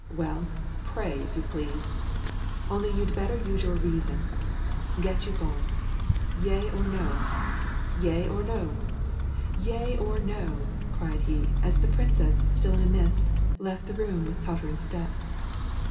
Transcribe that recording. Well, pray, if you please. Only you'd better use your reiison. Get you gone. Yea or no, yea or no, yea or no !" cried he, as the princess, still in a mist, left the room with tottering step.